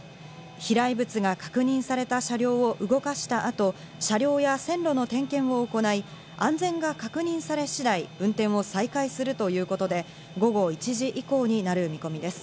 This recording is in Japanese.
飛来物が確認された車両を動かした後、車両や線路の点検を行い、安全が確認され次第運転を再開するということで午後１時以降になる見込みです。